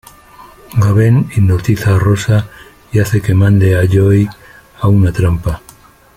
Gavin hipnotiza a Rosa y hace que mande a Joey a una trampa.